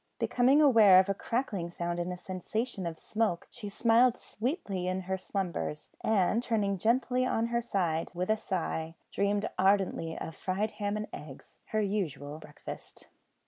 Becoming aware of a crackling sound and a sensation of smoke, she smiled sweetly in her slumbers, and, turning gently on her other side, with a sigh, dreamed ardently of fried ham and eggs her usual breakfast.